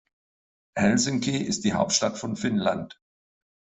Helsinki ist die Hauptstadt von Finnland.